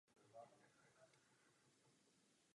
V tomto období byl vývoj Finanční čtvrti pozastaven.